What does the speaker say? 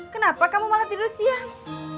kenapa kamu malah tidur siang